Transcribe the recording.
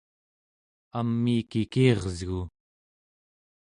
amiik ikiresgu!